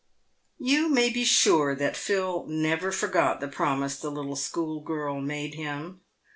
You may be sure that Phil never forgot the promise the little school girl made him.